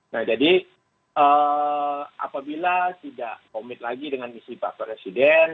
nah jadi apabila tidak komit lagi dengan misi bapak presiden